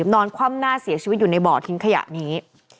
นอนคว่ำหน้าเสียชีวิตอยู่ในบ่อทิ้งขยะนี้